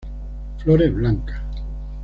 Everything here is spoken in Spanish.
Flores blancas.